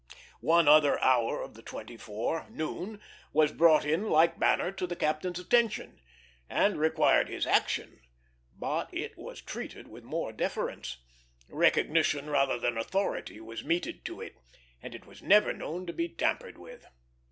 One other hour of the twenty four, noon, was brought in like manner to the captain's attention, and required his action, but it was treated with more deference; recognition rather than authority was meted to it, and it was never known to be tampered with.